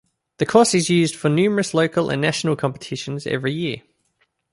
The course is used for numerous local and national competitions every year.